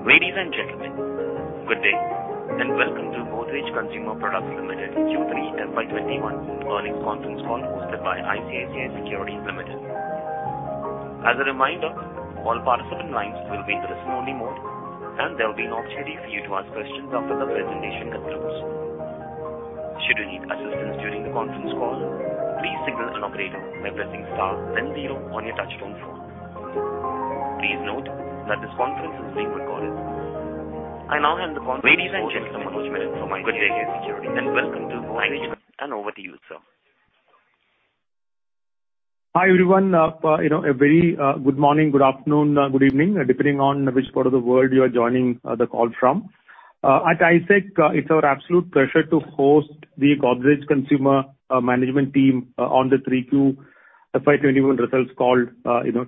Ladies and gentlemen, good day, and welcome to Godrej Consumer Products Limited Q3 FY 2021 Earnings Conference Call hosted by ICICI Securities Limited. As a reminder, all participant lines will be in listen-only mode, and there will be an opportunity for you to ask questions after the presentation concludes. I now hand the conference over to Manoj Menon from ICICI Securities. Thank you, and over to you, sir. Hi, everyone. A very good morning, good afternoon, good evening, depending on which part of the world you are joining the call from. At ICICI Securities, it's our absolute pleasure to host the Godrej Consumer Products management team on the Q3 FY2021 results call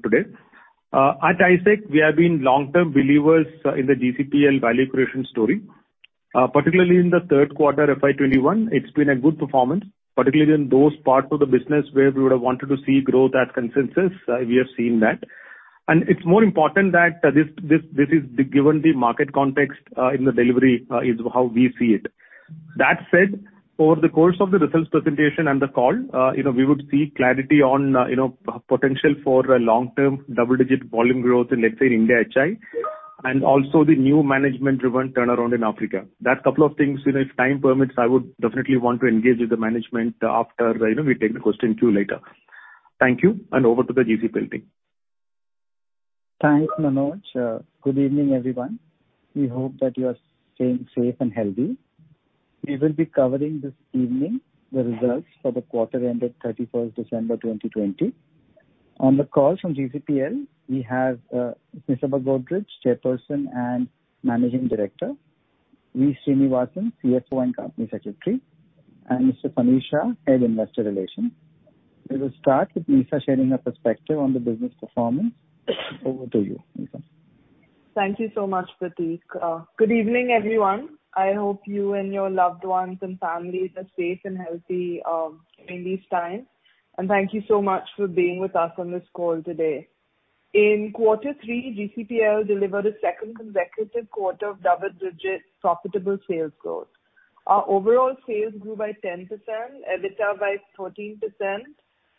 today. At ICICI Securities, we have been long-term believers in the GCPL value creation story. Particularly in the third quarter FY2021, it's been a good performance, particularly in those parts of the business where we would have wanted to see growth at consensus, we have seen that. It's more important that this is given the market context in the delivery is how we see it. That said, over the course of the results presentation and the call, we would see clarity on potential for long-term double-digit volume growth in, let's say, India HI, and also the new management-driven turnaround in Africa. That couple of things, if time permits, I would definitely want to engage with the management after we take the question queue later. Thank you, and over to the GCPL team. Thanks, Manoj. Good evening, everyone. We hope that you are staying safe and healthy. We will be covering this evening the results for the quarter ended 31st December 2020. On the call from GCPL, we have Ms. Nisaba Godrej, Chairperson and Managing Director, V. Srinivasan, CFO and Company Secretary, and Mr. Sameer Shah, Head, Investor Relations. We will start with Nisa sharing her perspective on the business performance. Over to you, Nisaba. Thank you so much, Pratik. Good evening, everyone. I hope you and your loved ones and families are safe and healthy during these times. Thank you so much for being with us on this call today. In Q3, GCPL delivered a second consecutive quarter of double-digit profitable sales growth. Our overall sales grew by 10%, EBITDA by 14%,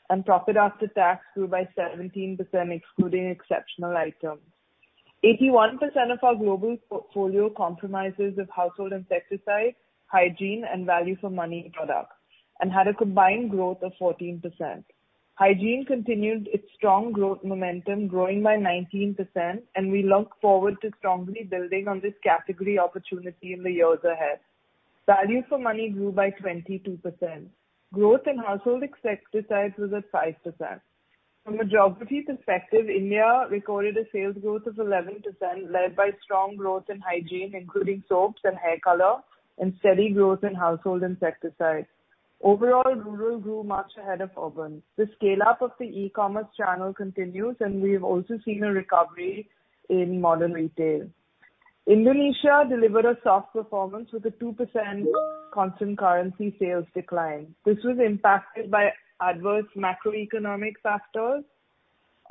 and profit after tax grew by 17%, excluding exceptional items. 81% of our global portfolio comprises of household insecticides, hygiene, and value-for-money products, and had a combined growth of 14%. Hygiene continued its strong growth momentum, growing by 19%, and we look forward to strongly building on this category opportunity in the years ahead. Value for money grew by 22%. Growth in household insecticides was at 5%. From a geographies perspective, India recorded a sales growth of 11%, led by strong growth in hygiene, including soaps and hair color, and steady growth in household insecticides. Overall, rural grew much ahead of urban. The scale-up of the e-commerce channel continues, and we've also seen a recovery in modern retail. Indonesia delivered a soft performance with a 2% constant currency sales decline. This was impacted by adverse macroeconomic factors,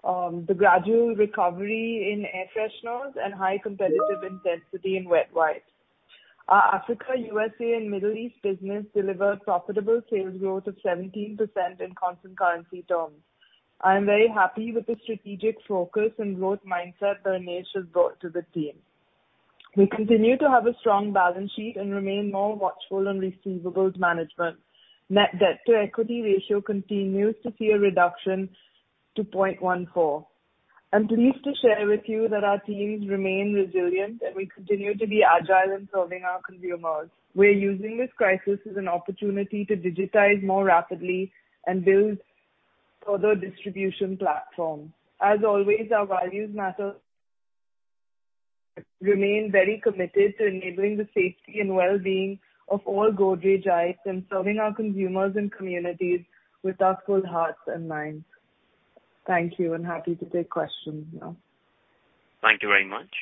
the gradual recovery in air fresheners, and high competitive intensity in wet wipes. Our Africa, USA, and Middle East business delivered profitable sales growth of 17% in constant currency terms. I am very happy with the strategic focus and growth mindset that Dhamesh has brought to the team. We continue to have a strong balance sheet and remain more watchful on receivables management. Net debt-to-equity ratio continues to see a reduction to 0.14. I'm pleased to share with you that our teams remain resilient, and we continue to be agile in serving our consumers. We're using this crisis as an opportunity to digitize more rapidly and build further distribution platforms. As always, our values matter. We remain very committed to enabling the safety and well-being of all Godrejites and serving our consumers and communities with our full hearts and minds. Thank you, and happy to take questions now. Thank you very much.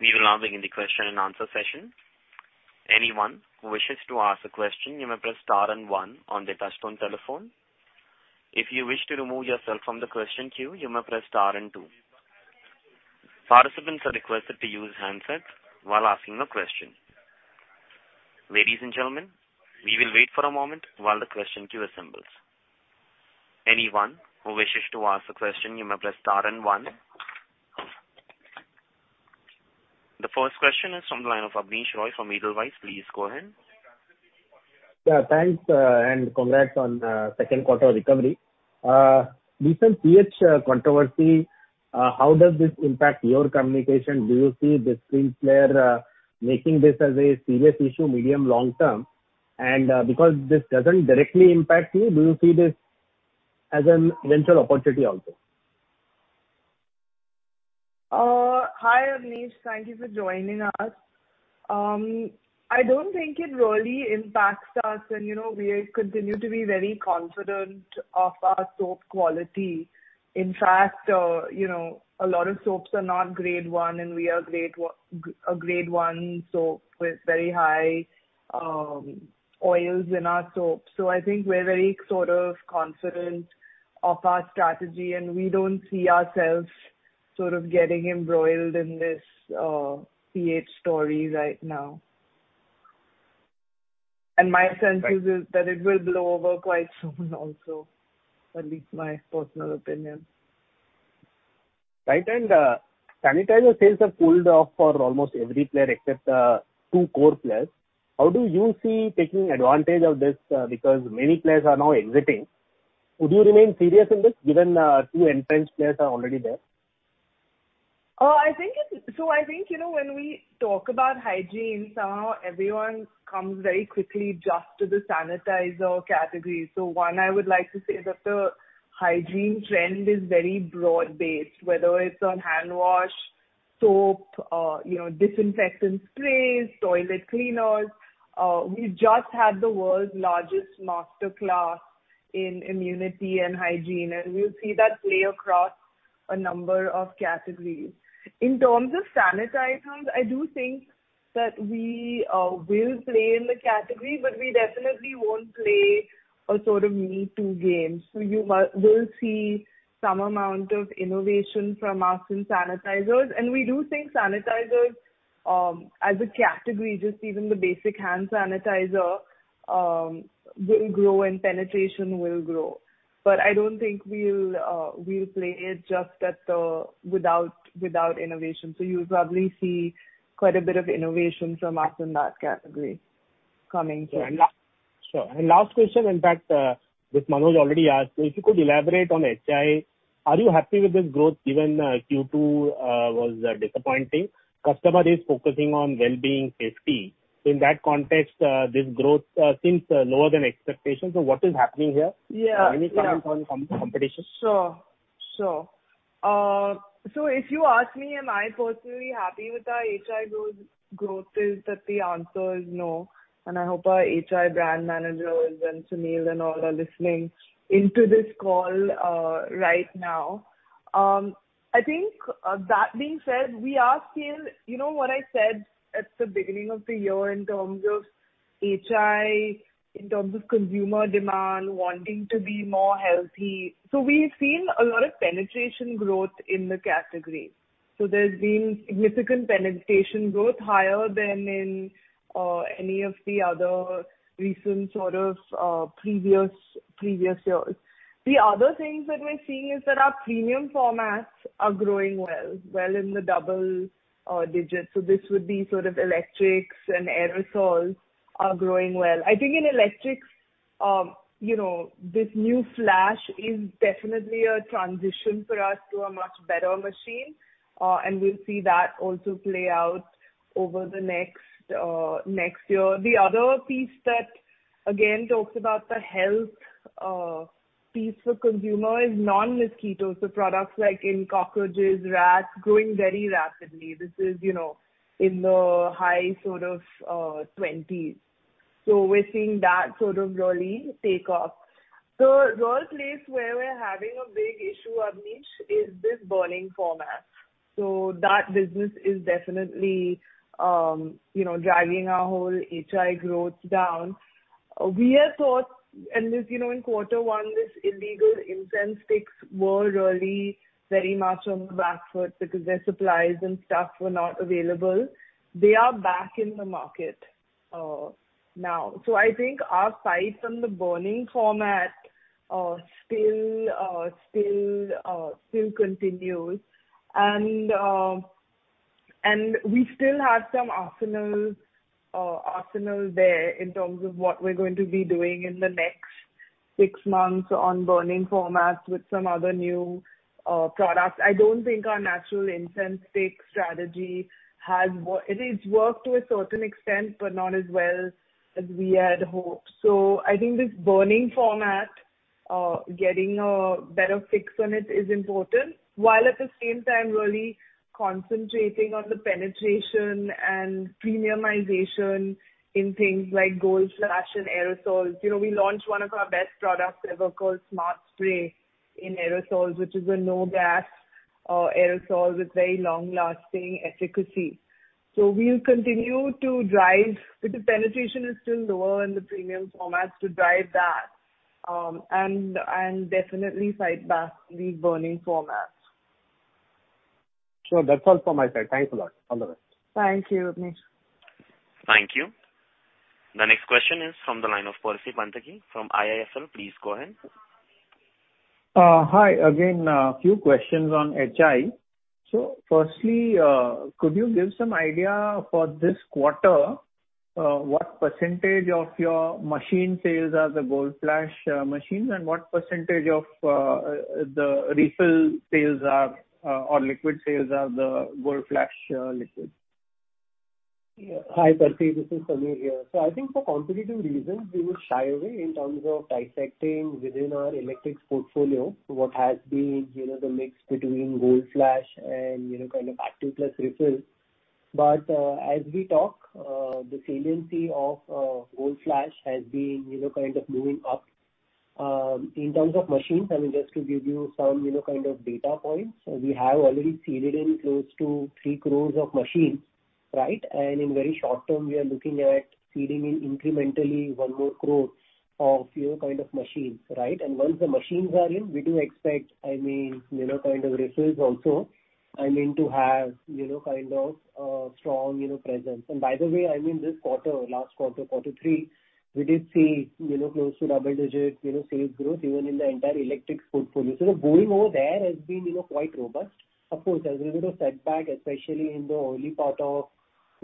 We will now begin the question and answer session. The first question is from the line of Abneesh Roy from Edelweiss. Please go ahead. Thanks, congrats on second quarter recovery. Recent pH controversy, how does this impact your communication? Do you see the key player making this as a serious issue medium long term? Because this doesn't directly impact you, do you see this as a venture opportunity also? Hi, Abneesh. Thank you for joining us. I don't think it really impacts us, and we continue to be very confident of our soap quality. In fact, a lot of soaps are not grade one, and we are a grade one soap with very high oils in our soap. I think we're very confident of our strategy, and we don't see ourselves getting embroiled in this pH story right now. My sense is that it will blow over quite soon also. That's at least my personal opinion. Right. Sanitizer sales have pulled off for almost every player except two core players. How do you see taking advantage of this? Many players are now exiting. Would you remain serious in this given two entrenched players are already there? I think, when we talk about hygiene, somehow everyone comes very quickly just to the sanitizer category. One, I would like to say that the hygiene trend is very broad-based, whether it's on hand wash, soap, disinfectant sprays, toilet cleaners. We just had the world's largest master class in immunity and hygiene, and we'll see that play across a number of categories. In terms of sanitizers, I do think that we will play in the category, but we definitely won't play a sort of me too game. You will see some amount of innovation from us in sanitizers, and we do think sanitizers as a category, just even the basic hand sanitizer, will grow and penetration will grow. I don't think we'll play it just without innovation. You'll probably see quite a bit of innovation from us in that category coming soon. Sure. Last question, in fact, this Manoj already asked. If you could elaborate on HI. Are you happy with this growth, given Q2 was disappointing? Customer is focusing on well-being safety. In that context, this growth seems lower than expectation. What is happening here? Yeah. Any comments on competition? Sure. If you ask me, am I personally happy with our HI growth, the answer is no. I hope our HI brand managers and Sunil and all are listening in to this call right now. What I said at the beginning of the year in terms of HI, in terms of consumer demand, wanting to be more healthy. We've seen a lot of penetration growth in the category. There's been significant penetration growth higher than in any of the other recent sort of previous years. The other things that we're seeing is that our premium formats are growing well in the double digits. This would be sort of electrics and aerosols are growing well. I think in electrics, this new Flash is definitely a transition for us to a much better machine. We'll see that also play out over the next year. The other piece that again talks about the health piece for consumer is non-mosquito. Products like in cockroaches, rats, growing very rapidly. This is in the high sort of 20s. We're seeing that sort of really take off. The real place where we're having a big issue, Abneesh, is this burning format. That business is definitely dragging our whole HI growth down. We had thought, and in quarter one, these illegal incense sticks were really very much on the back foot because their supplies and stuff were not available. They are back in the market now. I think our fight on the burning format still continues, and we still have some arsenal there in terms of what we're going to be doing in the next six months on burning formats with some other new products. I don't think our natural incense stick strategy has. It's worked to a certain extent, but not as well as we had hoped. I think this burning format, getting a better fix on it is important, while at the same time really concentrating on the penetration and premiumization in things like Gold Flash and aerosols. We launched one of our best products ever called Smart Spray in aerosols, which is a no-gas aerosol with very long-lasting efficacy. We'll continue to drive, because penetration is still lower in the premium formats, to drive that, and definitely fight back the burning formats. Sure. That's all from my side. Thanks a lot. All the best. Thank you, Abneesh. Thank you. The next question is from the line of Percy Panthaki from IIFL. Please go ahead. Hi again. A few questions on HI. Firstly, could you give some idea for this quarter, what percentage of your machine sales are the Gold Flash machines and what percentage of the refill sales are or liquid sales are the Gold Flash liquids? Yeah. Hi, Percy, this is Sameer here. I think for competitive reasons, we would shy away in terms of dissecting within our electrics portfolio what has been the mix between Gold Flash and kind of active plus refills. As we talk, the saliency of Gold Flash has been kind of moving up. In terms of machines, I mean, just to give you some kind of data points, we have already seeded in close to three crores of machines. In very short term, we are looking at seeding in incrementally 1 more crore of kind of machines. Once the machines are in, we do expect kind of refills also I mean to have a strong presence. By the way, I mean this quarter, last quarter three, we did see close to double-digit sales growth even in the entire electric portfolio. The build over there has been quite robust. Of course, there was a little setback, especially in the early part of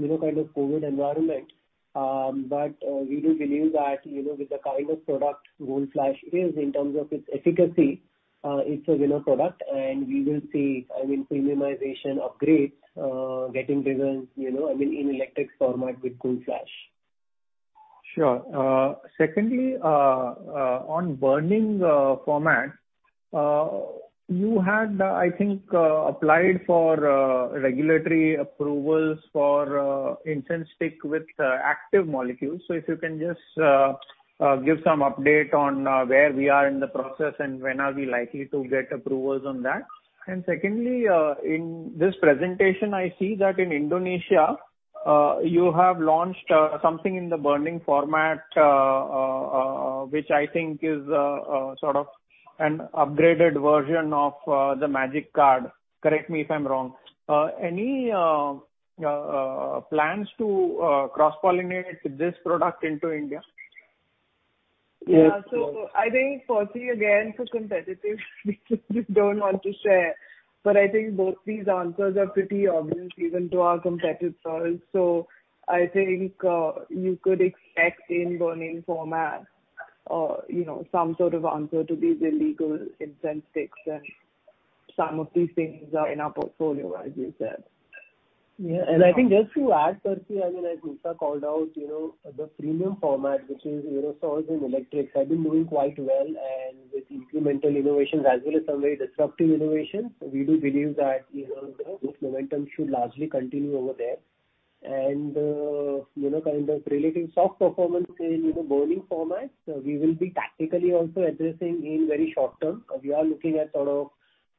COVID environment. We do believe that with the kind of product Gold Flash is in terms of its efficacy, it's a winner product, and we will see, I mean, premiumization upgrades getting driven in electric format with Gold Flash. Sure. Secondly, on burning format, you had, I think, applied for regulatory approvals for incense stick with active molecules. If you can just give some update on where we are in the process, and when are we likely to get approvals on that. Secondly, in this presentation, I see that in Indonesia, you have launched something in the burning format, which I think is sort of an upgraded version of the Magic Card. Correct me if I'm wrong. Any plans to cross-pollinate this product into India? Yeah. I think, Percy, again, for competitive reasons, we don't want to share. I think both these answers are pretty obvious even to our competitors. I think you could expect in burning format some sort of answer to these illegal incense sticks, and some of these things are in our portfolio, as you said. I think just to add, Percy, as Nisa called out, the premium format, which is aerosols and electrics, have been doing quite well. With incremental innovations as well as some very disruptive innovations, we do believe that this momentum should largely continue over there. Kind of relative soft performance in burning format, we will be tactically also addressing in very short-term. We are looking at sort of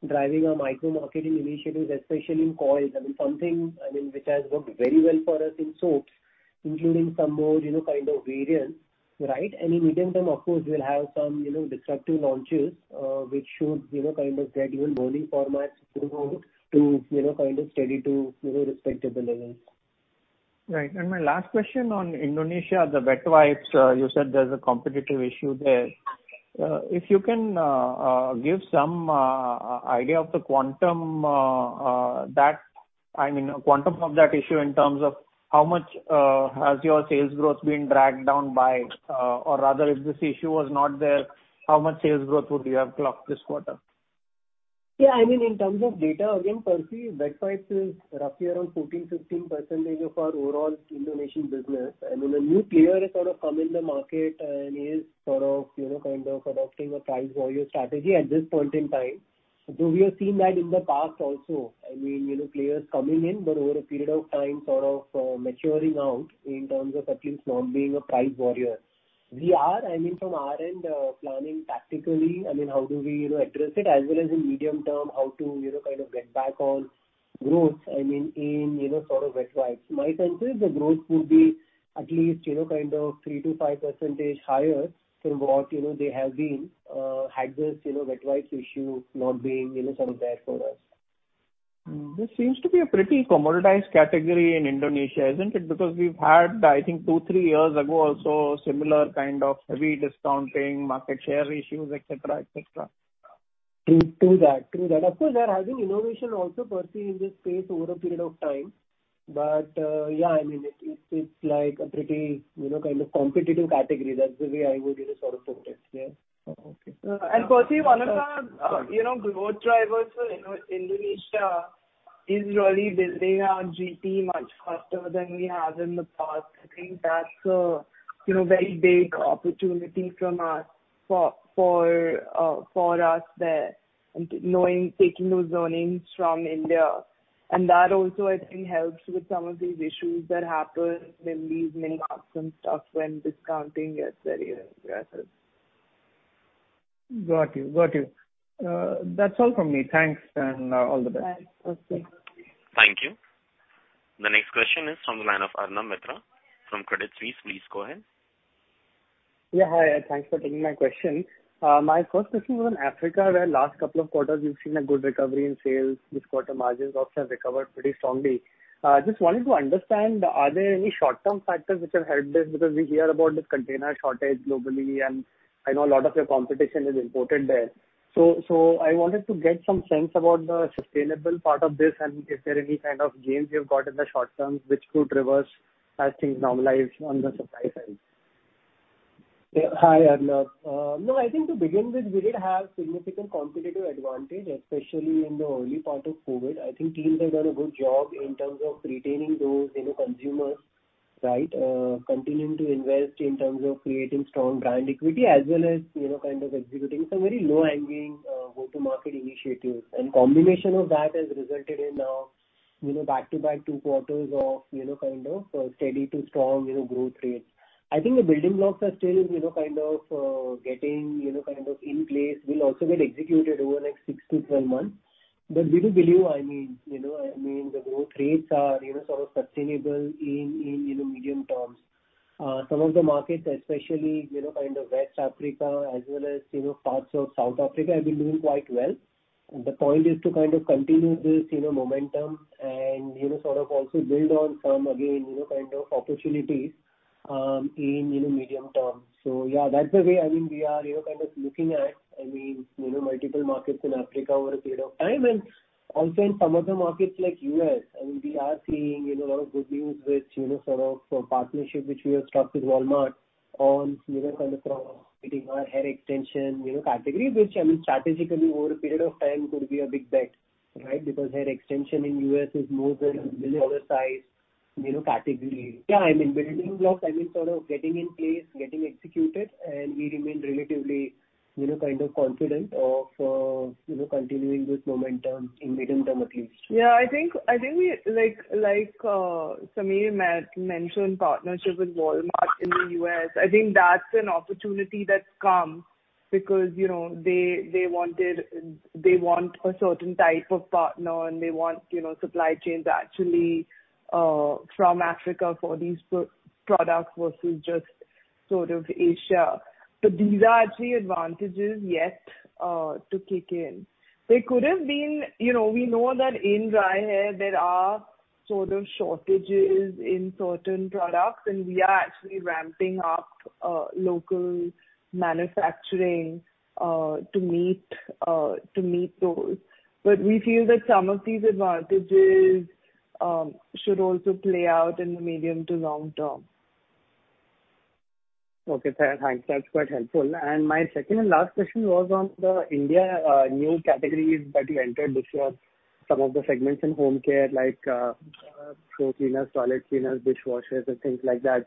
driving our micro-marketing initiatives, especially in coils. I mean, something which has worked very well for us in soaps, including some more variants, right? In medium term, of course, we'll have some disruptive launches, which should get even burning formats to move to steady to respectable levels. Right. My last question on Indonesia, the wet wipes, you said there's a competitive issue there. If you can give some idea of the quantum of that issue in terms of how much has your sales growth been dragged down by, or rather if this issue was not there, how much sales growth would you have clocked this quarter? Yeah, in terms of data, again, Percy, wet wipes is roughly around 14%-15% of our overall Indonesian business. When a new player has sort of come in the market and is sort of adopting a price warrior strategy at this point in time, though we have seen that in the past also. I mean, players coming in, but over a period of time sort of maturing out in terms of at least not being a price warrior. We are, I mean, from our end, planning tactically, I mean, how do we address it as well as in medium term, how to get back on growth in wet wipes. My sense is the growth would be at least 3%-5% higher from what they have been had this wet wipes issue not been some there for us. This seems to be a pretty commoditized category in Indonesia, isn't it? Because we've had, I think, two, three years ago also similar kind of heavy discounting, market share issues, et cetera. True that. Of course, there has been innovation also, Percy, in this space over a period of time. Yeah, I mean, it's like a pretty competitive category. That's the way I would sort of put it. Yeah. Okay. Percy, one of our growth drivers for Indonesia is really building our GT much faster than we have in the past. I think that's a very big opportunity for us there, taking those learnings from India. That also, I think, helps with some of these issues that happen when these mini-marts and stuff when discounting gets very aggressive. Got you. That's all from me. Thanks, and all the best. Thanks. Okay. Thank you. The next question is from the line of Arnab Mitra from Credit Suisse. Please go ahead. Yeah. Hi. Thanks for taking my question. My first question was on Africa, where last couple of quarters we've seen a good recovery in sales. This quarter margins also have recovered pretty strongly. Just wanted to understand, are there any short-term factors which have helped this? We hear about this container shortage globally, and I know a lot of your competition is imported there. I wanted to get some sense about the sustainable part of this and if there are any kind of gains you've got in the short term which could reverse as things normalize on the supply side. Hi, Arnab. No, I think to begin with, we did have significant competitive advantage, especially in the early part of COVID. I think teams have done a good job in terms of retaining those consumers, right? Continuing to invest in terms of creating strong brand equity as well as executing some very low-hanging go-to-market initiatives. Combination of that has resulted in back-to-back two quarters of steady to strong growth rates. I think the building blocks are still kind of getting in place, will also get executed over the next six-12 months. We do believe, I mean, the growth rates are sustainable in medium terms. Some of the markets, especially West Africa as well as parts of South Africa, have been doing quite well. The point is to kind of continue this momentum and also build on some, again, kind of opportunities in medium term. Yeah, that's the way we are kind of looking at multiple markets in Africa over a period of time, and also in some other markets like U.S. We are seeing a lot of good news with partnership which we have struck with Walmart on kind of promoting our hair extension category, which, strategically over a period of time could be a big bet. Hair extension in U.S. is more than a billion dollar size category. Yeah, I mean, building blocks, sort of getting in place, getting executed, we remain relatively confident of continuing this momentum in medium term at least. I think like Sameer mentioned, partnership with Walmart in the U.S., I think that's an opportunity that's come because they want a certain type of partner, and they want supply chains actually from Africa for these products versus just Asia. These are actually advantages yet to kick in. We know that in dry hair there are sort of shortages in certain products, and we are actually ramping up local manufacturing to meet those. We feel that some of these advantages should also play out in the medium to long term. Okay, fair. Thanks. That's quite helpful. My second and last question was on the India new categories that you entered this year, some of the segments in home care like floor cleaners, toilet cleaners, dishwashers and things like that.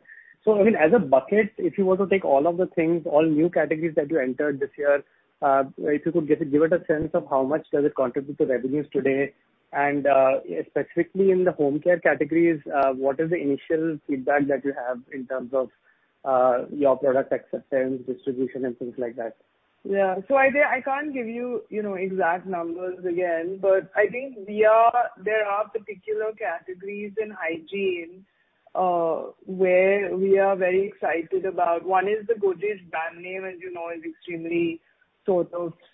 As a bucket, if you were to take all of the things, all new categories that you entered this year, if you could give it a sense of how much does it contribute to revenues today, and specifically in the home care categories, what is the initial feedback that you have in terms of your product acceptance, distribution and things like that? I can't give you exact numbers again, but I think there are particular categories in hygiene where we are very excited about. One is the Godrej brand name, as you know, is extremely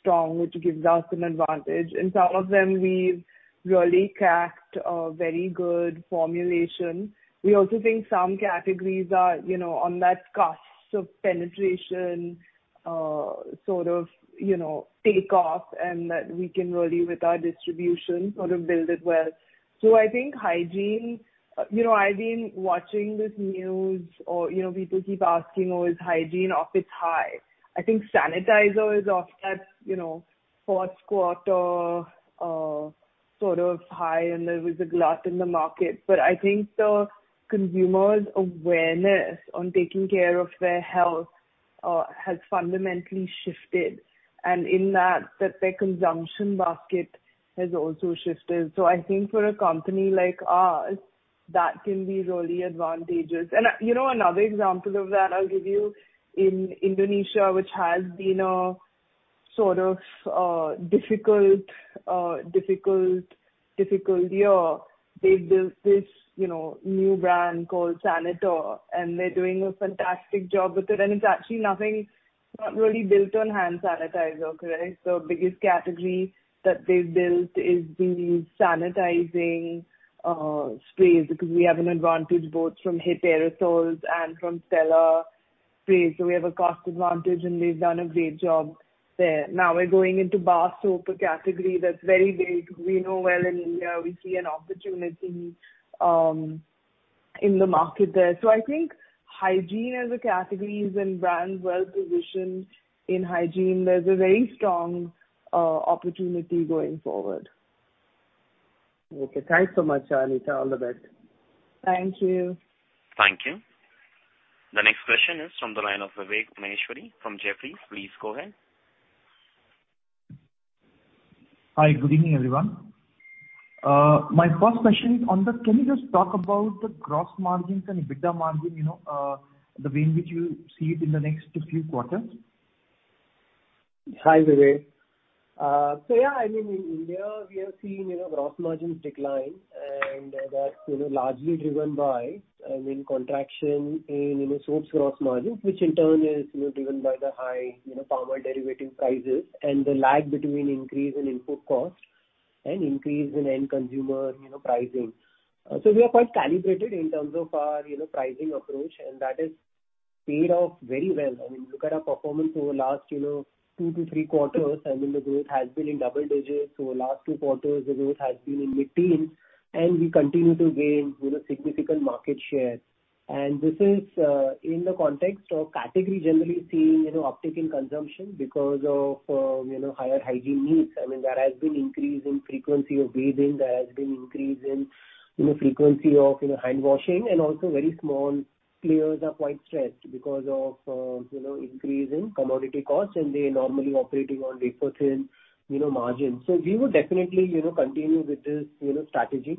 strong, which gives us an advantage. In some of them, we've really cracked a very good formulation. We also think some categories are on that cusp of penetration sort of takeoff, and that we can really, with our distribution, sort of build it well. I think hygiene. I've been watching this news or people keep asking, "Oh, is hygiene off its high?" I think sanitizer is off that fourth quarter sort of high, and there was a glut in the market. I think the consumers' awareness on taking care of their health has fundamentally shifted, and in that, their consumption basket has also shifted. I think for a company like ours, that can be really advantageous. Another example of that I'll give you, in Indonesia, which has been a sort of difficult year. They've built this new brand called Saniter, and they're doing a fantastic job with it. It's actually nothing, not really built on hand sanitizer. Correct? The biggest category that they've built is these sanitizing sprays, because we have an advantage both from HIT aerosols and from Stella sprays. We have a cost advantage, and they've done a great job there. Now we're going into bar soap, a category that's very big. We know well in India, we see an opportunity in the market there. I think hygiene as a category is in brand well positioned. In hygiene, there's a very strong opportunity going forward. Okay, thanks so much, Nisaba. All the best. Thank you. Thank you. The next question is from the line of Vivek Maheshwari from Jefferies. Please go ahead. Hi, good evening, everyone. My first question is, can you just talk about the gross margins and EBITDA margin, the way in which you see it in the next few quarters? Hi, Vivek. Yeah, in India, we are seeing gross margins decline, and that's largely driven by contraction in soap's gross margins, which in turn is driven by the high palm oil derivative prices and the lag between increase in input cost and increase in end consumer pricing. We are quite calibrated in terms of our pricing approach, and that has paid off very well. If you look at our performance over last two to three quarters, the growth has been in double digits. Over last two quarters, the growth has been in mid-teens, we continue to gain significant market share. This is in the context of category generally seeing uptick in consumption because of higher hygiene needs. There has been increase in frequency of bathing, there has been increase in frequency of hand washing, and also very small players are quite stressed because of increase in commodity costs, and they're normally operating on very thin margins. We would definitely continue with this strategy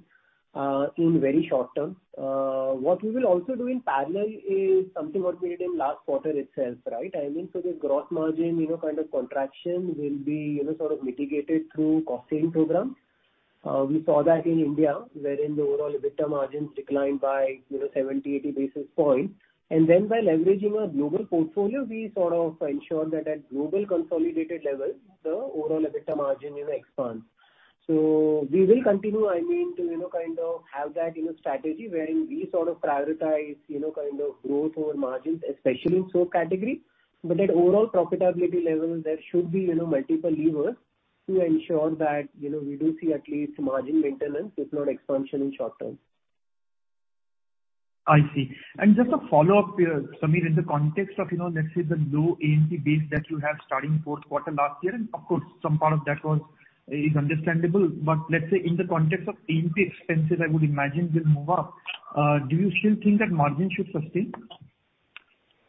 in very short term. What we will also do in parallel is something what we did in last quarter itself. Right. This gross margin kind of contraction will be sort of mitigated through cost-saving programs. We saw that in India, wherein the overall EBITDA margins declined by 70, 80 basis points. By leveraging our global portfolio, we sort of ensured that at global consolidated level, the overall EBITDA margin expands. We will continue to have that strategy wherein we sort of prioritize growth over margins, especially in soap category. At overall profitability level, there should be multiple levers to ensure that we do see at least margin maintenance, if not expansion in short term. I see. Just a follow-up here, Sameer, in the context of, let's say, the low A&P base that you have starting fourth quarter last year, and of course, some part of that is understandable. Let's say in the context of A&P expenses, I would imagine will move up. Do you still think that margin should sustain?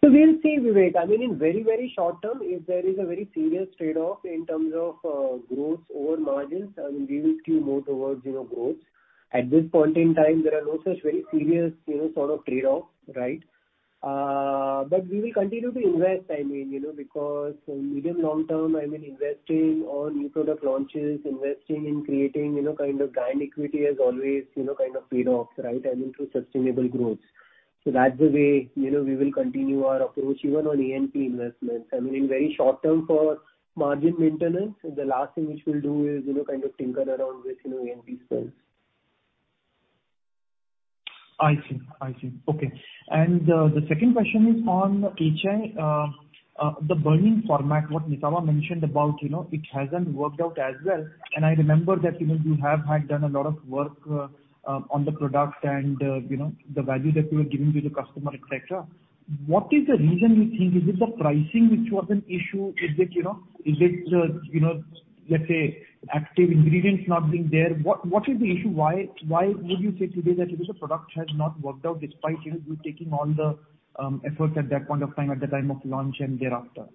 We'll see, Vivek. In very short term, if there is a very serious trade-off in terms of growth over margins, we will skew more towards growth. At this point in time, there are no such very serious sort of trade-off, right? We will continue to invest because medium long term, investing on new product launches, investing in creating kind of brand equity has always paid off, right? Through sustainable growth. That's the way we will continue our approach even on A&P investments. In very short term for margin maintenance, the last thing which we'll do is kind of tinker around with A&P sales. I see. Okay. The second question is on HI. The burning format, what Nisaba mentioned about, it hasn't worked out as well. I remember that you have had done a lot of work on the product and the value that you were giving to the customer, et cetera. What is the reason you think? Is it the pricing which was an issue? Is it, let's say, active ingredients not being there? What is the issue? Why would you say today that the product has not worked out despite you taking all the efforts at that point of time, at the time of launch and thereafter?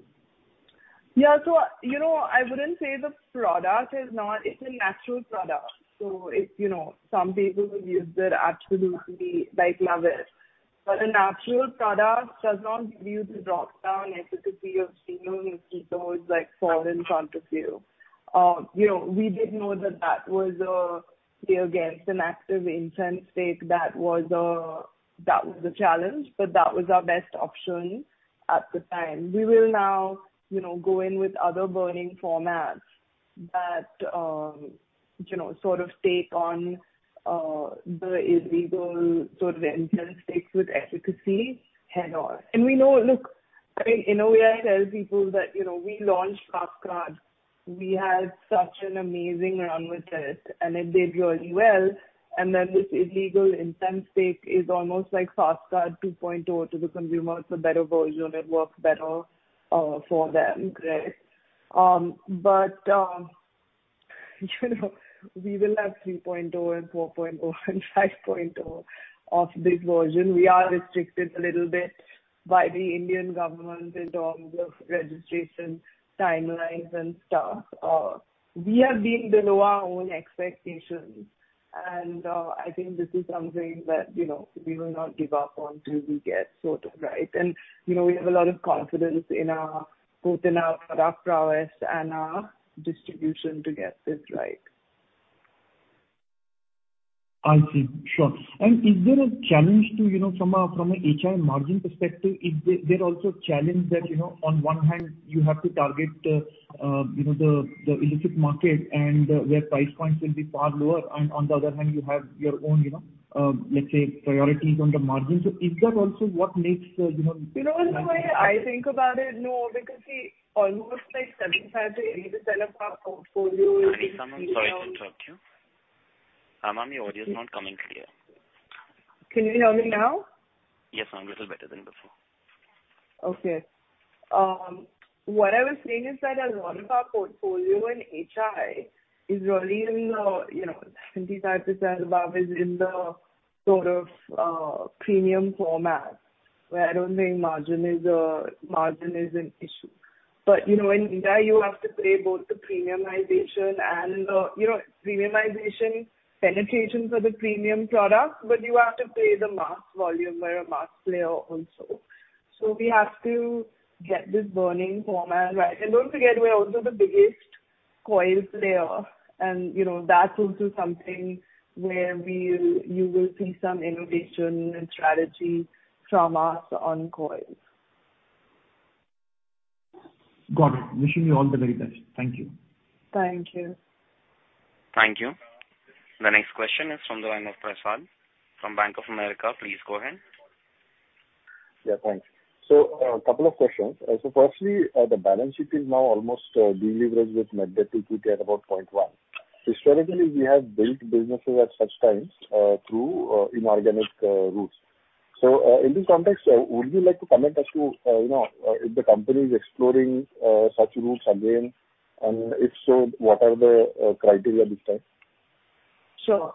Yeah. I wouldn't say the product. It's a natural product. Some people who've used it absolutely love it. A natural product does not give you the rock star efficacy of seeing your mosquitoes fall in front of you. We did know that that was against an active incense stick. That was the challenge, but that was our best option at the time. We will now go in with other burning formats that sort of take on the illegal sort of incense sticks with efficacy head-on. We know, look, in a way I tell people that we launched Fast card. We had such an amazing run with it, and it did really well. Then this illegal incense stick is almost like Fast Card 2.0 to the consumer. It's a better version. It works better for them, right? We will have 3.0 and 4.0 and 5.0 of this version. We are restricted a little bit by the Indian government in terms of registration timelines and stuff. We have been below our own expectations, and I think this is something that we will not give up on till we get sort of right. We have a lot of confidence both in our product prowess and our distribution to get this right. I see. Sure. Is there a challenge from a HI margin perspective? Is there also a challenge that on one hand you have to target the illicit market and where price points will be far lower, and on the other hand, you have your own, let's say, priorities on the margin. Is that also what makes? You know, the way I think about it, no, because see, almost like 75% of our portfolio is-. Hi, Sameer. Sorry to interrupt you. Ma'am, your audio is not coming clear. Can you hear me now? Yes, ma'am. Little better than before. Okay. What I was saying is that a lot of our portfolio in HI is really in the, 75% above is in the sort of premium format, where I don't think margin is an issue. In India, you have to play both the premiumization penetration for the premium product, but you have to play the mass volume by a mass player also. We have to get this burning format right. Don't forget, we're also the biggest coil player, and that's also something where you will see some innovation and strategy from us on coils. Got it. Wishing you all the very best. Thank you. Thank you. Thank you. The next question is from the line of Prasad from Bank of America. Please go ahead. Yeah, thanks. A couple of questions. Firstly, the balance sheet is now almost de-leveraged with net debt to EBITDA at about 0.1. Historically, we have built businesses at such times through inorganic routes. In this context, would you like to comment as to if the company is exploring such routes again, and if so, what are the criteria this time? Sure.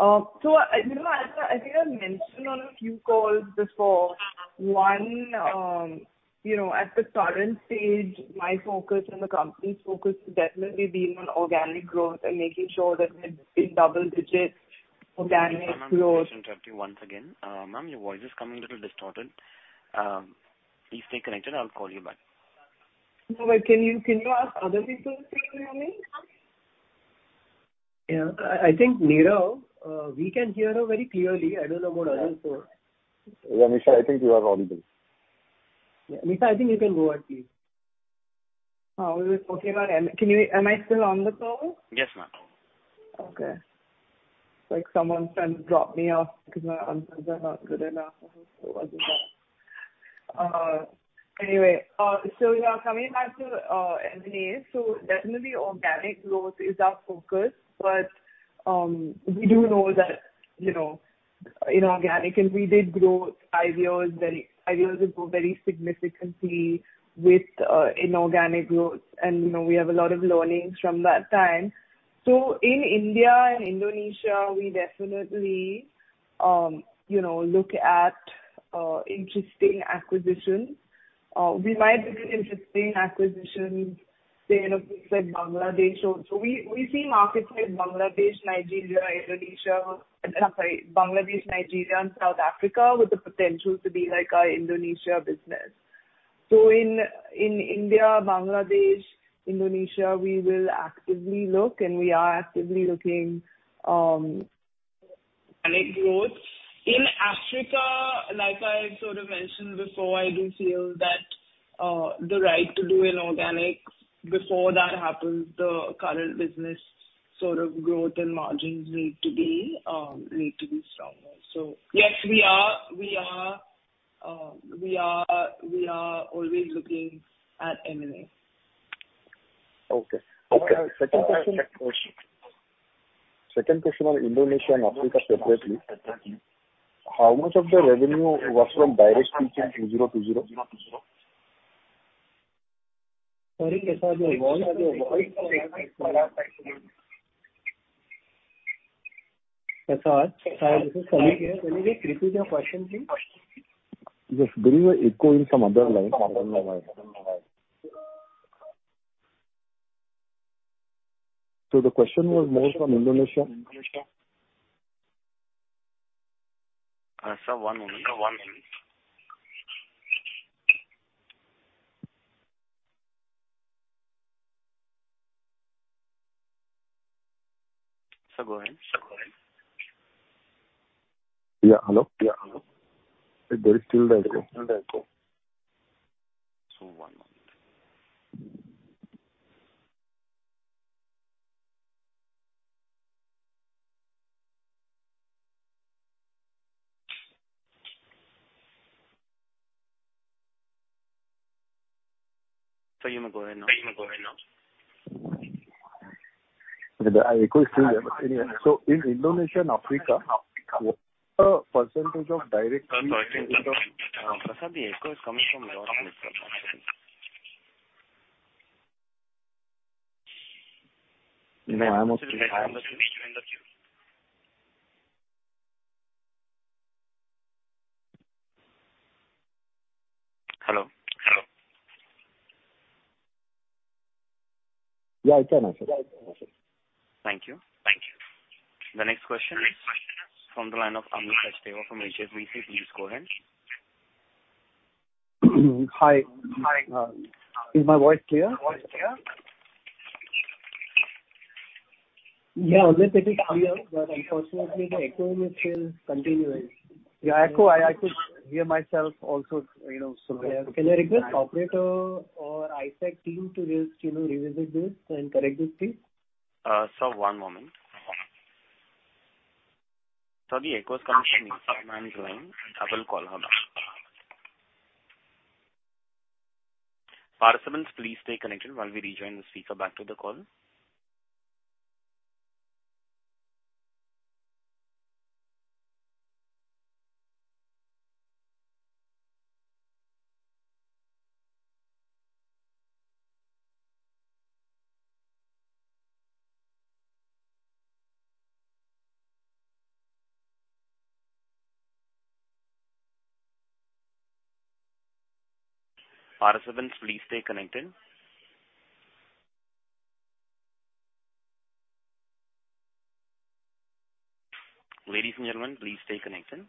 I think I've mentioned on a few calls before, one, at the current stage, my focus and the company's focus will definitely be on organic growth and making sure that we're in double digits organic growth. Hi, ma'am. Sorry to interrupt you once again. Ma'am, your voice is coming a little distorted. Please stay connected. I'll call you back. No, can you ask other people to hear me? Yeah. I think, Nirav, we can hear her very clearly. I don't know about others. Yeah, Nisa, I think you are audible. Nisa, I think you can go ahead, please. Oh, is it okay? Am I still on the call? Yes, ma'am. Okay. Like someone's trying to drop me off because my answers are not good enough or whosoever it was. Anyway, coming back to M&A. Definitely organic growth is our focus. We do know that inorganic, and we did grow five years ago very significantly with inorganic growth and we have a lot of learnings from that time. In India and Indonesia, we definitely look at interesting acquisitions. We might look at interesting acquisitions say in a place like Bangladesh. We see markets like Bangladesh, Nigeria, Indonesia. No, sorry, Bangladesh, Nigeria, and South Africa with the potential to be like our Indonesia business. In India, Bangladesh, Indonesia, we will actively look and we are actively looking organic growth. In Africa, like I sort of mentioned before, I do feel that the right to do inorganic, before that happens, the current business sort of growth and margins need to be stronger. Yes, we are always looking at M&A. Okay. Second question on Indonesia and Africa separately. How much of the revenue was from direct retail in 2020? Sorry, Prasad, your voice. Prasad? Sir, this is Sameer here. Can you just repeat your question, please? Yes, there is an echo in some other lines other than mine. The question was more from Indonesia. Sir, one moment. Sir, go ahead. Yeah, hello. There is still the echo. One moment. Sir, you may go ahead now. The echo is still there, but anyway. In Indonesia and Africa, what % of direct? Prasad, the echo is coming from your end. No, I'm okay. Please join the queue. Hello. Yeah, I can answer. Thank you. The next question is from the line of Amit Sachdeva from HSBC. Please go ahead. Hi. Is my voice clear? Yeah, Amit, it is clear, but unfortunately, the echo is still continuing. Yeah, echo. I could hear myself also. Yeah. Can I request operator or ICICI Securities team to just revisit this and correct this, please? Sir, one moment. Sorry, echo is coming from your end. Ma'am joined. I will call her now. Participants, please stay connected while we rejoin the speaker back to the call. Participants, please stay connected. Ladies and gentlemen, please stay connected.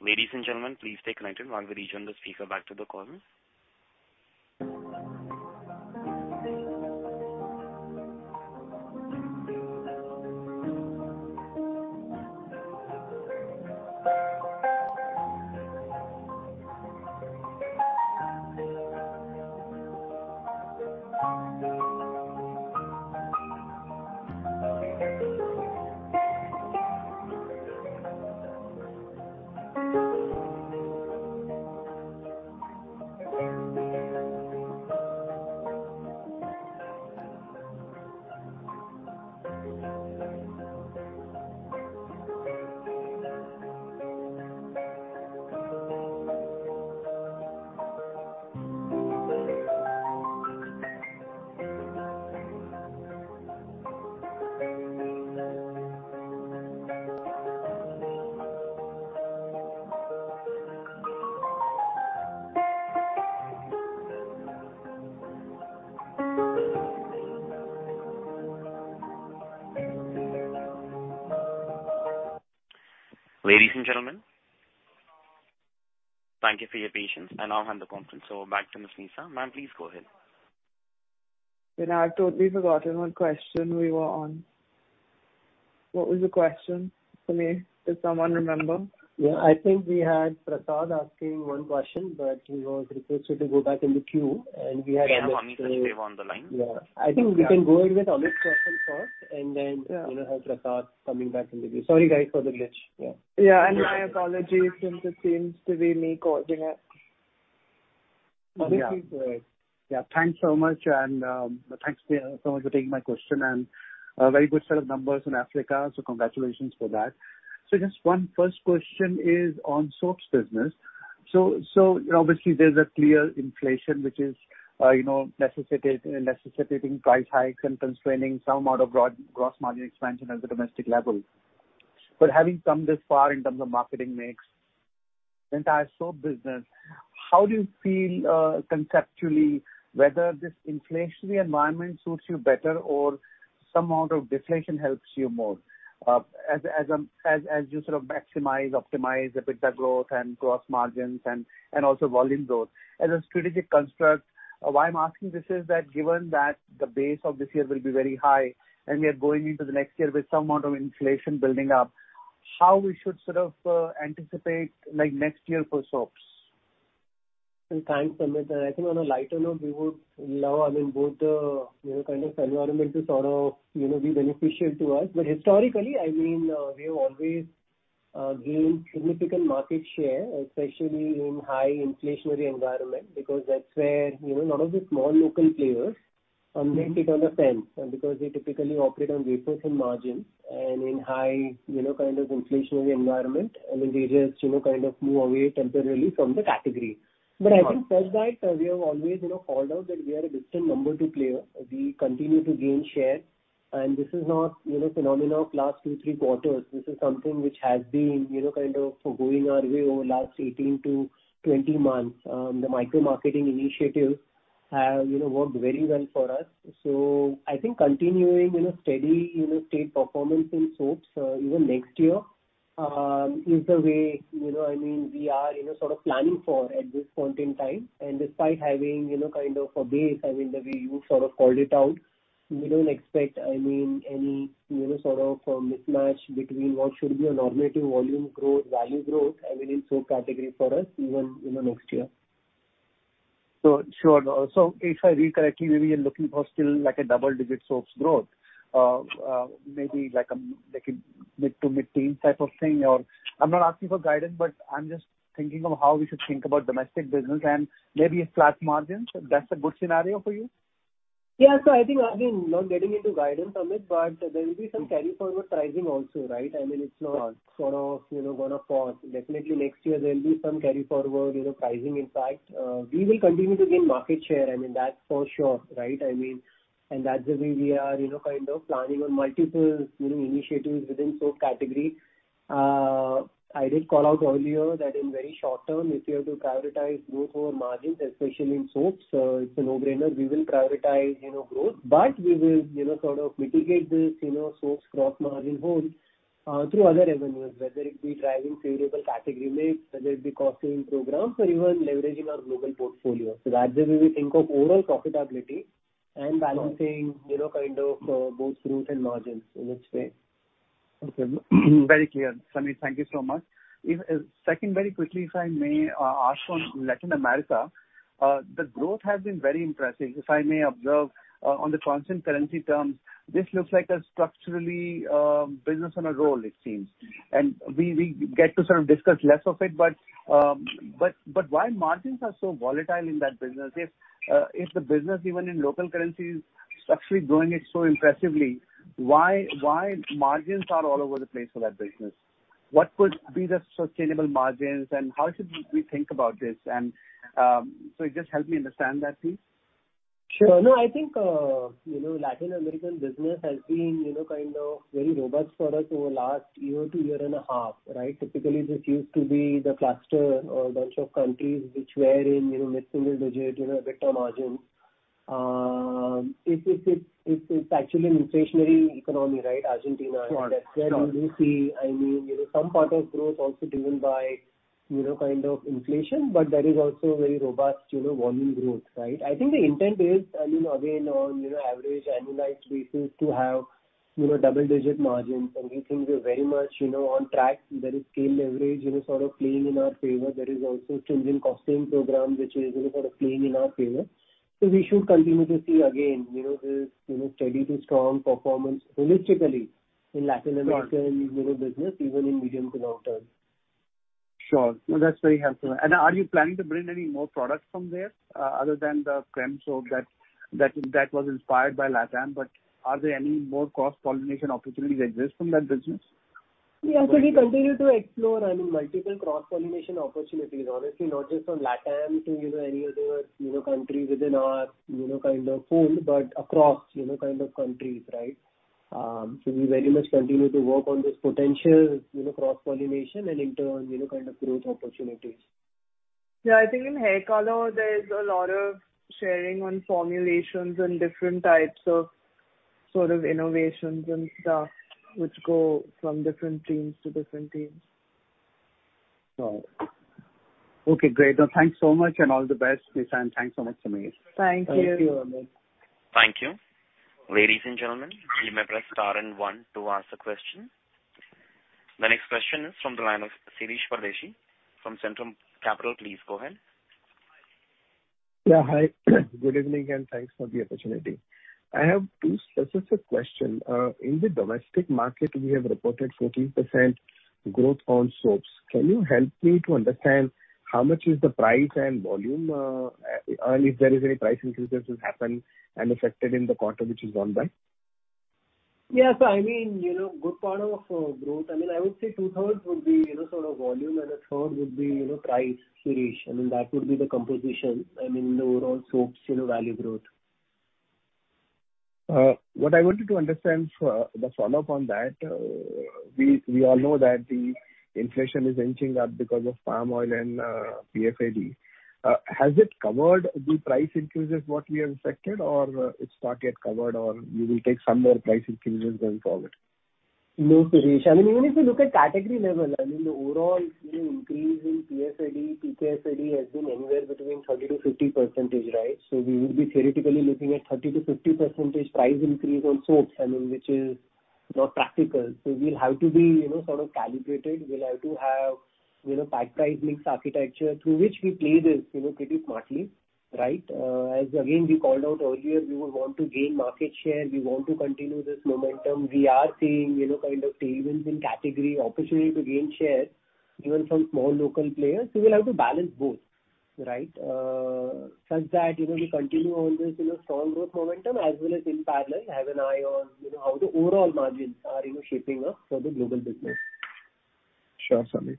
Ladies and gentlemen, please stay connected while we rejoin the speaker back to the call. Ladies and gentlemen, thank you for your patience and I'll hand the conference over back to Nisaba. Ma'am, please go ahead. I've totally forgotten what question we were on. What was the question, Sameer? Does someone remember? Yeah. I think we had Prasad asking one question, but he was requested to go back in the queue. Yeah. Amit is still on the line. Yeah. I think we can go in with Amit's question first, and then- Yeah we'll have Prasad coming back into this. Sorry, guys, for the glitch. Yeah. Yeah. My apologies since it seems to be me causing it. Yeah. Amit, please go ahead. Thanks so much, and thanks so much for taking my question. A very good set of numbers in Africa, congratulations for that. Just one first question is on soaps business. Obviously there's a clear inflation, which is necessitating price hikes and constraining some amount of gross margin expansion at the domestic level. Having come this far in terms of marketing mix, the entire soap business, how do you feel, conceptually, whether this inflationary environment suits you better or some out of deflation helps you more, as you maximize, optimize EBITDA growth and gross margins and also volume growth? As a strategic construct, why I'm asking this is that given that the base of this year will be very high and we are going into the next year with some amount of inflation building up, how we should anticipate next year for soaps? Thanks, Amit. I think on a lighter note, we would love both environments to be beneficial to us. Historically, we have always gained significant market share, especially in high inflationary environment because that's where a lot of the small local players take it on the fence because they typically operate on very thin margins and in high inflationary environment, they just move away temporarily from the category. I think first, guys, we have always called out that we are a distant number two player. We continue to gain share and this is not phenomenon last two, three quarters. This is something which has been going our way over last 18 to 20 months. The micro-marketing initiatives have worked very well for us. I think continuing steady state performance in soaps even next year is the way we are planning for at this point in time. Despite having a base that we've called it out, we don't expect any mismatch between what should be a normative volume growth, value growth in soap category for us even in the next year. Sure. If I read correctly, maybe you're looking for still a double-digit soaps growth, maybe like a mid to mid-teen type of thing or I'm not asking for guidance, but I'm just thinking of how we should think about domestic business and maybe a flat margin. That's a good scenario for you? I think, not getting into guidance, Amit, but there will be some carry forward pricing also, right? It's not going to pause. Definitely next year there'll be some carry forward pricing impact. We will continue to gain market share, that's for sure. Right? That's the way we are planning on multiple initiatives within soap category. I did call out earlier that in very short term, if we have to prioritize growth over margins, especially in soaps, it's a no-brainer. We will prioritize growth. We will mitigate this soap cross-margin hold through other revenues, whether it be driving favorable category mix, whether it be costing programs or even leveraging our global portfolio. That way we will think of overall profitability and balancing both growth and margins in this way. Okay. Very clear. Sameer, thank you so much. Second, very quickly, if I may ask on Latin America. The growth has been very impressive. If I may observe on the constant currency terms, this looks like a structural business on a roll it seems. We get to sort of discuss less of it, but why margins are so volatile in that business? If the business even in local currency is structurally growing it so impressively, why margins are all over the place for that business? What could be the sustainable margins and how should we think about this? Just help me understand that, please. Sure. No, I think Latin American business has been very robust for us over last year to year and a half, right? Typically, this used to be the cluster or bunch of countries which were in mid-single digit EBITDA margins. It's actually an inflationary economy, right? Argentina. Sure. That's where you do see some part of growth also driven by inflation, but there is also very robust volume growth, right? I think the intent is, again, on average annualized basis to have double-digit margins and we think we're very much on track. There is scale leverage playing in our favor. There is also change in cost saving program which is playing in our favor. We should continue to see again this steady to strong performance holistically in Latin America and global business, even in medium to long term. Sure. No, that's very helpful. Are you planning to bring any more products from there other than the cream soap that was inspired by LATAM, but are there any more cross-pollination opportunities exist from that business? Yeah. We continue to explore, I mean, multiple cross-pollination opportunities, honestly, not just from LATAM to any other country within our kind of fold, but across kind of countries, right? We very much continue to work on this potential cross-pollination and in turn kind of growth opportunities. Yeah, I think in hair color, there's a lot of sharing on formulations and different types of sort of innovations and stuff, which go from different teams to different teams. Sure. Okay, great. No, thanks so much and all the best, Nisa, and thanks so much, Sameer. Thank you. Thank you. Thank you. Ladies and gentlemen, you may press star and one to ask a question. The next question is from the line of Shirish Pardeshi from Centrum Capital. Please go ahead. Yeah, hi. Good evening. Thanks for the opportunity. I have two specific questions. In the domestic market, we have reported 14% growth on soaps. Can you help me to understand how much is the price and volume, if there are any price increases have happened and affected in the quarter which is gone by? Yeah. I mean, good part of growth, I would say two-thirds would be sort of volume and a third would be price, Shirish. I mean, that would be the composition, I mean, the overall soaps value growth. What I wanted to understand for the follow-up on that, we all know that the inflation is inching up because of palm oil and PFAD. Has it covered the price increases what we have expected or it's not yet covered, or you will take some more price increases going forward? No, Shirish. Even if you look at category level, the overall increase in PFAD, PKFAD has been anywhere between 30%-50%. We would be theoretically looking at 30%-50% price increase on soaps, which is not practical. We'll have to be sort of calibrated. We'll have to have pack price mix architecture through which we play this pretty smartly. Again, we called out earlier, we would want to gain market share. We want to continue this momentum. We are seeing kind of tailwinds in category, opportunity to gain shares even from small local players. We'll have to balance both. Such that we continue on this strong growth momentum as well as in parallel, have an eye on how the overall margins are shaping up for the global business. Sure, Sameer.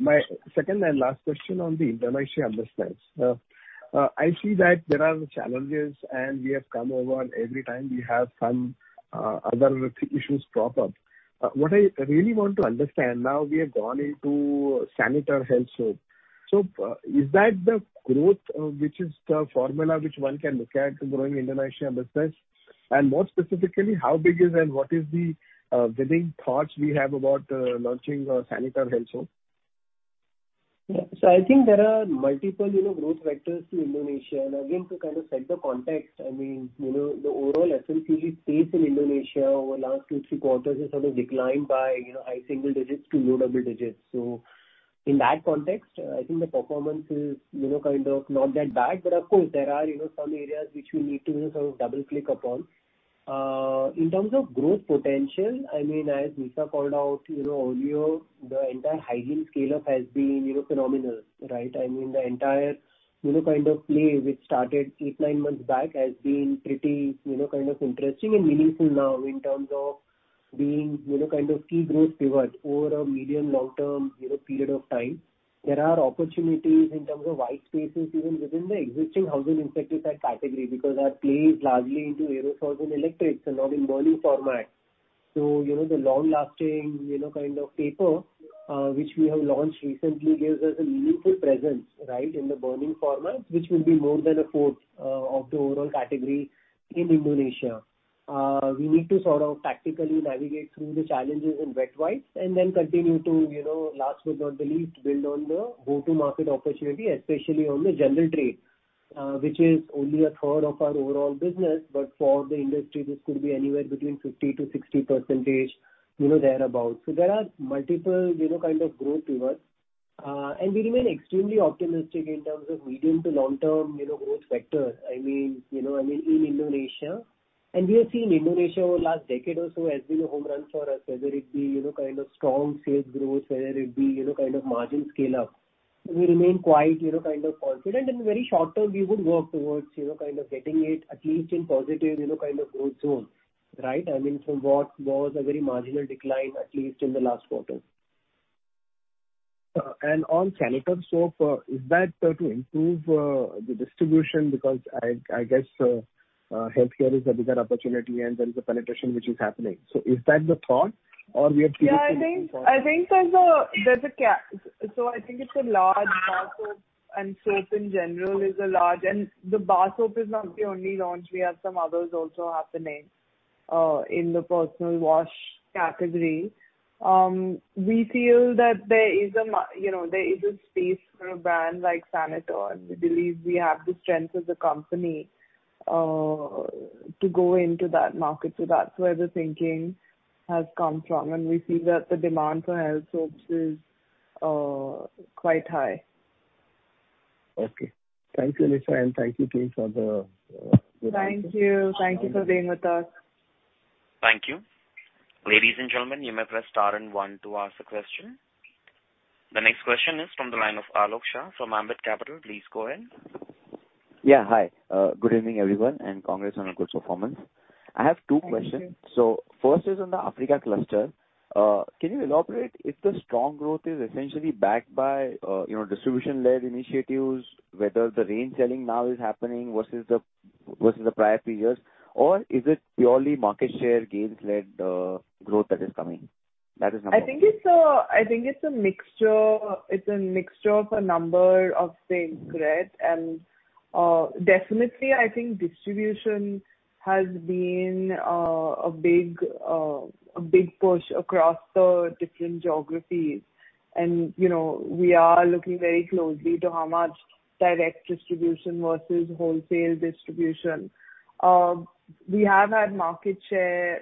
My second and last question on the Indonesia business. I see that there are challenges, and we have come over and every time we have some other issues crop up. What I really want to understand now we have gone into Saniter health soap. Is that the growth which is the formula which one can look at growing Indonesia business? More specifically, how big is and what is the winning thoughts we have about launching Saniter health soap? Yeah. I think there are multiple growth vectors to Indonesia. Again, to kind of set the context, I mean, the overall FMCG space in Indonesia over last two, three quarters has sort of declined by high single digits to low double digits. In that context, I think the performance is kind of not that bad. Of course, there are some areas which we need to sort of double-click upon. In terms of growth potential, I mean, as Nisa called out earlier, the entire hygiene scale-up has been phenomenal, right? I mean, the entire kind of play which started eight, nine months back has been pretty kind of interesting and meaningful now in terms of being kind of key growth pivot over a medium, long-term period of time. There are opportunities in terms of white spaces even within the existing household insecticide category, because that plays largely into aerosols and electrics and not in burning format. The long-lasting kind of paper, which we have launched recently gives us a meaningful presence, right, in the burning format, which will be more than a fourth of the overall category in Indonesia. We need to sort of tactically navigate through the challenges in wet wipes and then continue to, last but not the least, build on the go-to-market opportunity, especially on the General Trade, which is only a third of our overall business. For the industry, this could be anywhere between 50%-60%, thereabout. There are multiple kind of growth pivots. We remain extremely optimistic in terms of medium to long-term growth vector in Indonesia. We have seen Indonesia over last decade also has been a home run for us, whether it be kind of strong sales growth, whether it be kind of margin scale-up. We remain quite kind of confident. In the very short term, we would work towards kind of getting it at least in positive kind of growth zone, right? I mean, from what was a very marginal decline, at least in the last quarter. On Saniter soap, is that to improve the distribution? I guess healthcare is a bigger opportunity and there is a penetration which is happening. Is that the thought? Yeah, I think there's a I think it's a large bar soap and soap in general is a large. The bar soap is not the only launch. We have some others also happening in the personal wash category. We feel that there is a space for a brand like Saniter, and we believe we have the strength as a company to go into that market. That's where the thinking has come from. We see that the demand for health soaps is quite high. Okay. Thank you, Nisaba, and thank you, team, for the presentation. Thank you. Thank you for being with us. Thank you. Ladies and gentlemen, you may press star 1 to ask a question. The next question is from the line of Alok Shah from Ambit Capital. Please go ahead. Yeah, hi. Good evening, everyone, and congrats on a good performance. I have two questions. Thank you. First is on the Africa cluster. Can you elaborate if the strong growth is essentially backed by distribution-led initiatives, whether the range selling now is happening versus the prior three years? Or is it purely market share gains led growth that is coming? That is number one. I think it's a mixture of a number of things. Correct. Definitely, I think distribution has been a big push across the different geographies, and we are looking very closely to how much direct distribution versus wholesale distribution. We have had market share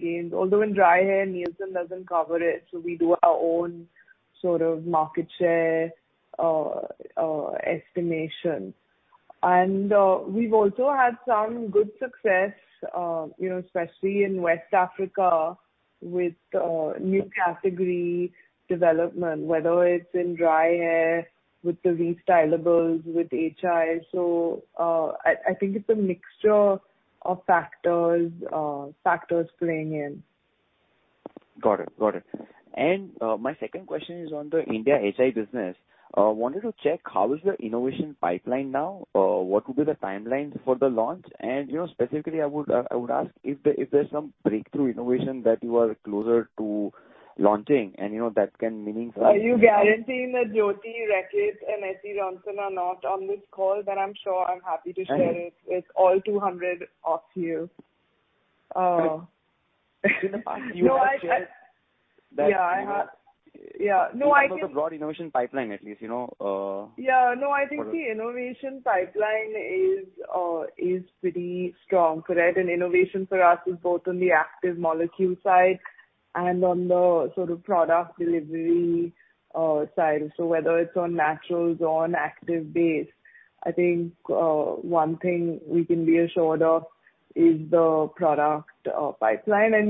gains, although in dry hair, Nielsen doesn't cover it, so we do our own sort of market share estimation. We've also had some good success, especially in West Africa with new category development, whether it's in dry hair with the restylables, with HI. I think it's a mixture of factors playing in. Got it. My second question is on the India HI business. Wanted to check how is the innovation pipeline now? What would be the timelines for the launch? Specifically, I would ask if there's some breakthrough innovation that you are closer to launching. Are you guaranteeing that Jyothy, Reckitt, and SC Johnson are not on this call? I'm sure I'm happy to share it with all 200 of you. In the past you have shared that. Yeah. No, About the broad innovation pipeline, at least. Yeah, no, I think the innovation pipeline is pretty strong, correct. Innovation for us is both on the active molecule side and on the product delivery side. Whether it's on naturals or on active base, I think one thing we can be assured of is the product pipeline, and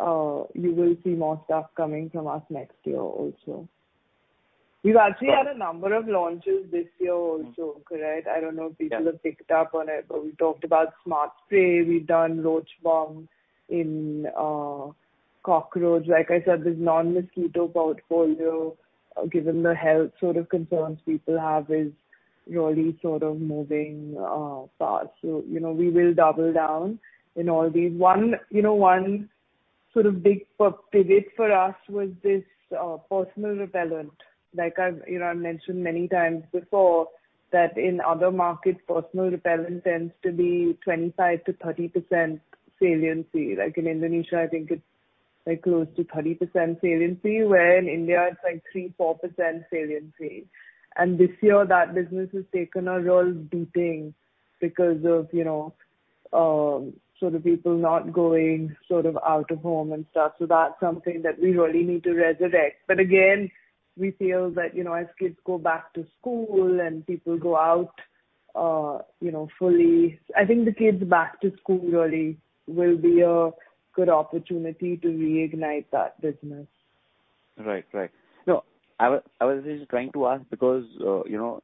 you will see more stuff coming from us next year also. We've actually had a number of launches this year also. Correct? I don't know if people have picked up on it, we talked about Smart Spray. We've done roach bombs in cockroaches. Like I said, this non-mosquito portfolio, given the health concerns people have, is really moving fast. We will double down in all these. One sort of big pivot for us was this personal repellent. I've mentioned many times before that in other markets, personal repellent tends to be 25%-30% saliency. In Indonesia, I think it's close to 30% saliency, where in India it's 3%, 4% saliency. This year, that business has taken a real beating because of people not going out of home and stuff. That's something that we really need to resurrect. Again, we feel that as kids go back to school and people go out fully, I think the kids back to school really will be a good opportunity to reignite that business. Right. No, I was just trying to ask because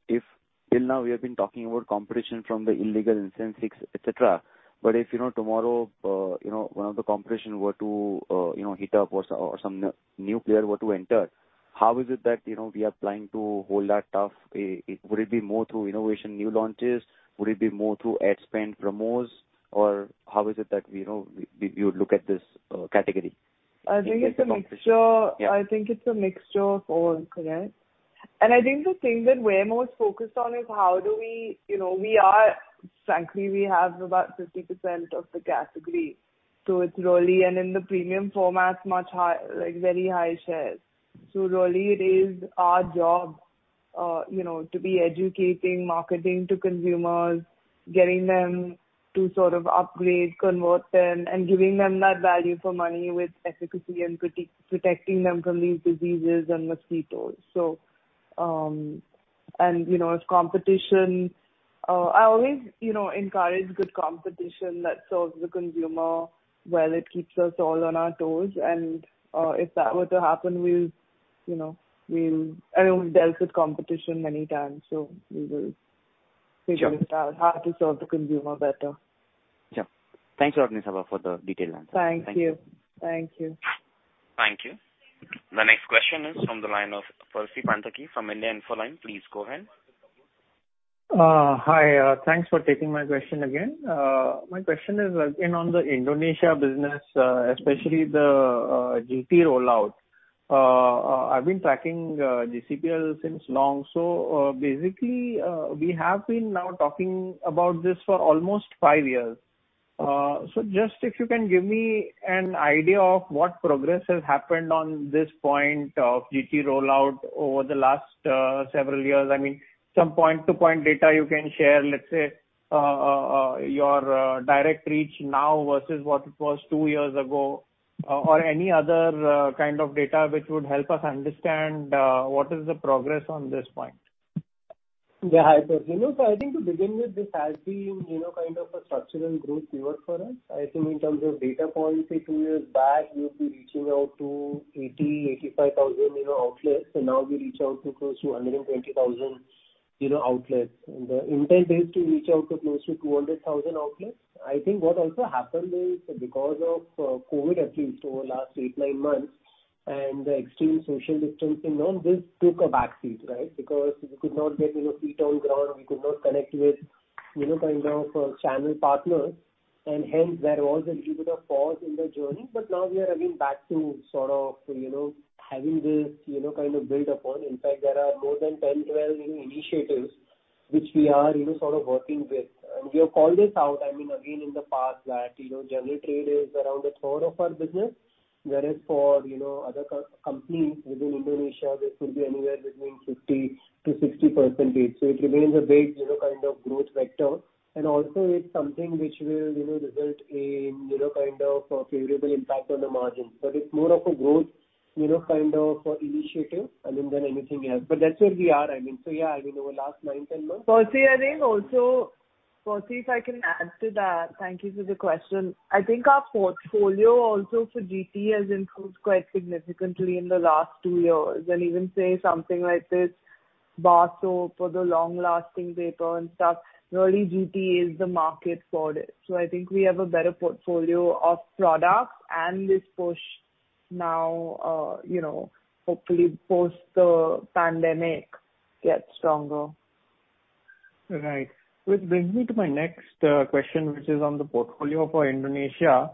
if till now we have been talking about competition from the illegal incense sticks, et cetera, but if tomorrow one of the competition were to heat up or some new player were to enter, how is it that we are planning to hold that tough? Would it be more through innovation, new launches? Would it be more through ad spend, promos, or how is it that you would look at this category? I think it's a mixture of all. Correct. I think the thing that we're most focused on is frankly, we have about 50% of the category. It's really and in the premium formats, very high shares. Really it is our job to be educating, marketing to consumers, getting them to upgrade, convert them, and giving them that value for money with efficacy and protecting them from these diseases and mosquitoes. Competition, I always encourage good competition that serves the consumer well. It keeps us all on our toes, and if that were to happen, we've dealt with competition many times, so we will- Sure figure this out, how to serve the consumer better. Sure. Thanks a lot, Nisaba, for the detailed answer. Thank you. Thank you. The next question is from the line of Percy Panthaki from India Infoline. Please go ahead. Hi. Thanks for taking my question again. My question is again on the Indonesia business, especially the GT rollout. I've been tracking GCPL since long. Basically, we have been now talking about this for almost five years. Just if you can give me an idea of what progress has happened on this point of GT rollout over the last several years. I mean, some point-to-point data you can share, let's say, your direct reach now versus what it was two years ago or any other kind of data which would help us understand what is the progress on this point? Yeah, hi, Percy. I think to begin with, this has been kind of a structural growth driver for us. I think in terms of data points, say two years back, we would be reaching out to 80,000, 85,000 outlets. Now we reach out to close to 120,000 outlets. The intent is to reach out to close to 200,000 outlets. I think what also happened is because of COVID, at least over the last eight, nine months, and extreme social distancing, all this took a back seat, right? We could not get feet on ground, we could not connect with channel partners, and hence there was a little bit of pause in the journey. Now we are, again, back to having this kind of build upon. In fact, there are more than 10 to 12 initiatives which we are sort of working with. We have called this out, again, in the past that General Trade is around a third of our business. Whereas for other companies within Indonesia, this could be anywhere between 50%-60% rate. It remains a big kind of growth vector. Also, it's something which will result in a favorable impact on the margins. It's more of a growth kind of initiative than anything else. That's where we are. Yeah, over the last nine, 10 months. Percy, if I can add to that. Thank you for the question. I think our portfolio also for GT has improved quite significantly in the last two years. Even, say, something like this bar soap or the long-lasting paper and stuff, really GT is the market for it. I think we have a better portfolio of products and this push now, hopefully post the pandemic, gets stronger. Right. Which brings me to my next question, which is on the portfolio for Indonesia.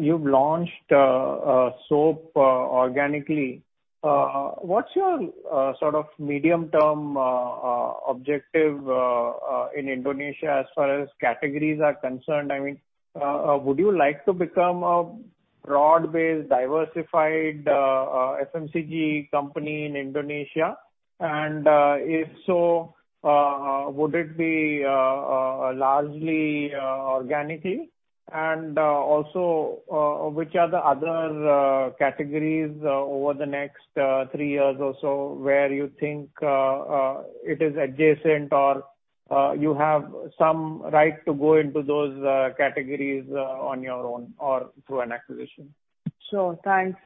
You've launched soap organically. What's your sort of medium-term objective in Indonesia as far as categories are concerned? Would you like to become a broad-based, diversified FMCG company in Indonesia? If so, would it be largely organically? Also, which are the other categories over the next three years or so where you think it is adjacent or you have some right to go into those categories on your own or through an acquisition? Sure. Thanks.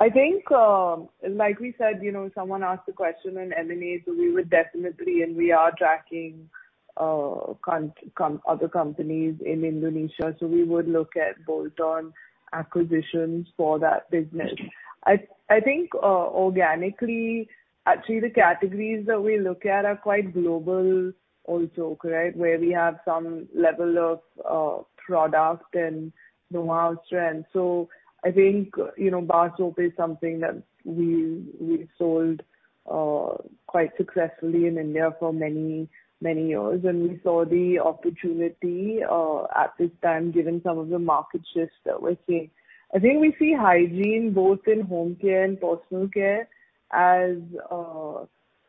I think, like we said, someone asked a question in M&A, we would definitely and we are tracking other companies in Indonesia. We would look at bolt-on acquisitions for that business. I think organically, actually the categories that we look at are quite global also, where we have some level of product and know-how strength. I think bar soap is something that we've sold quite successfully in India for many years. We saw the opportunity at this time, given some of the market shifts that we're seeing. I think we see hygiene both in home care and personal care as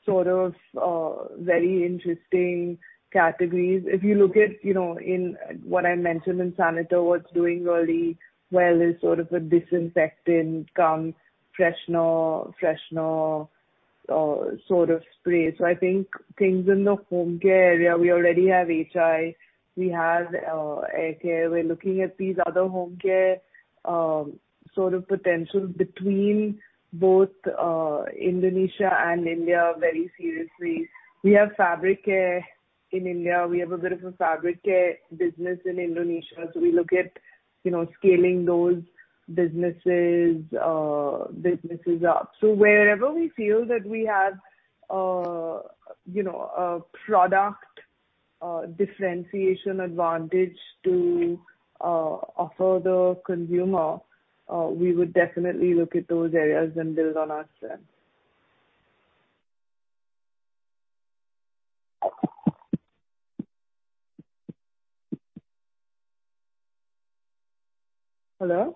sort of very interesting categories. If you look at what I mentioned in Saniter, what's doing really well is sort of a disinfectant cum freshener sort of spray. I think things in the home care area, we already have HI, we have hair care. We are looking at these other home care sort of potentials between both Indonesia and India very seriously. We have fabric care in India. We have a bit of a fabric care business in Indonesia. We look at scaling those businesses up. Wherever we feel that we have a product differentiation advantage to offer the consumer, we would definitely look at those areas and build on our strength. Hello? Percy, you have any follow-up question? Hello, Percy? Yeah, sorry. I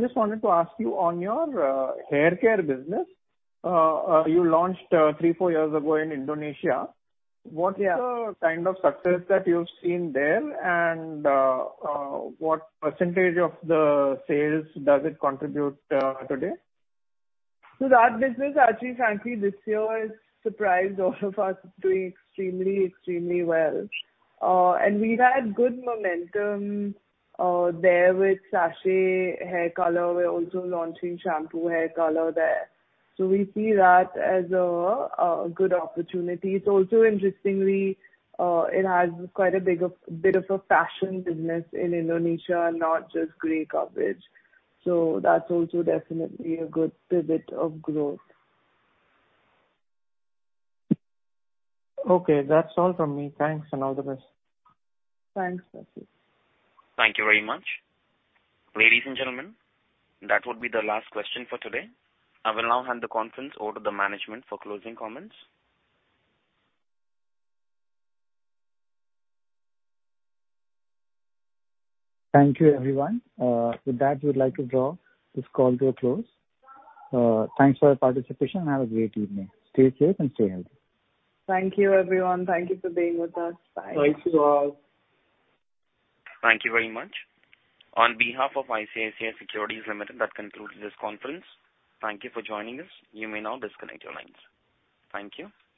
just wanted to ask you on your hair care business, you launched three, four years ago in Indonesia. Yeah. What is the kind of success that you've seen there, and what % of the sales does it contribute today? That business actually, frankly, this year has surprised all of us. It is doing extremely well. We have had good momentum there with sachet hair color. We are also launching shampoo hair color there. We see that as a good opportunity. Interestingly, it has quite a bit of a fashion business in Indonesia, not just gray coverage. That is also definitely a good pivot of growth. Okay. That's all from me. Thanks, and all the best. Thanks, Percy. Thank you very much. Ladies and gentlemen, that would be the last question for today. I will now hand the conference over to the management for closing comments. Thank you, everyone. With that, we would like to draw this call to a close. Thanks for your participation, and have a great evening. Stay safe and stay healthy. Thank you, everyone. Thank you for being with us. Bye. Thanks to you all. Thank you very much. On behalf of ICICI Securities Limited, that concludes this conference. Thank you for joining us. You may now disconnect your lines. Thank you.